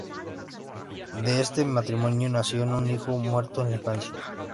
De este matrimonio nació un hijo muerto en la infancia.